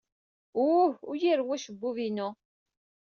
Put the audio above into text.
Uh! Ur iyi-rewwi acebbub-inu!